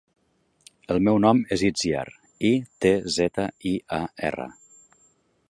El meu nom és Itziar: i, te, zeta, i, a, erra.